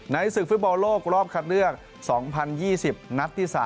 ศึกฟุตบอลโลกรอบคัดเลือก๒๐๒๐นัดที่๓